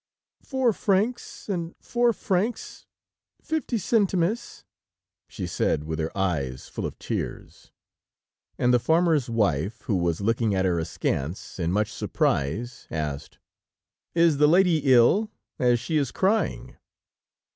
"Four francs, and four francs, fifty centimes," she said with her eyes full of tears, and the farmer's wife, who was looking at her askance, in much surprise, asked: "Is the lady ill, as she is crying?"